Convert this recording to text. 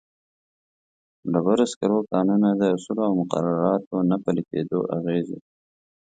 ډبرو سکرو کانونو کې د اصولو او مقرراتو نه پلي کېدلو اغېزې.